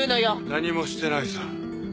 何もしてないさ。